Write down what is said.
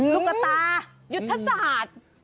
ตุ๊กตายุทธศาสตร์